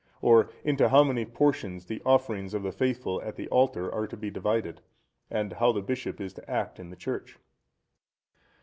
or into how many portions the offerings of the faithful at the altar are to be divided? and how the bishop is to act in the Church?